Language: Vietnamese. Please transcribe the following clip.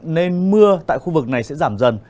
nên mưa tại khu vực này sẽ giảm dần